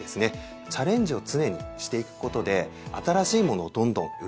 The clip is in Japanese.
チャレンジを常にしていくことで新しいものをどんどん生み出していきたい。